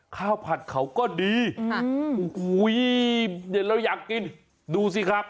ข้าวผัดเขาก็ดีอุ๊ยเราอยากกินดูซีครับ